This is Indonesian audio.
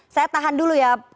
saya tahan dulu ya